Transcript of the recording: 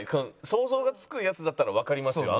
想像がつくやつだったらわかりますよ